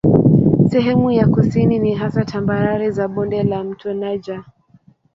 Sehemu za kusini ni hasa tambarare za bonde la mto Niger.